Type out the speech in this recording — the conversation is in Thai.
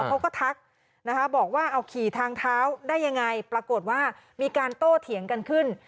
ทักนะคะบอกว่าเอาขี่ทางเท้าได้ยังไงปรากฏว่ามีการโต้เถียงกันขึ้น